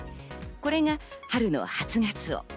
これが春の初ガツオ。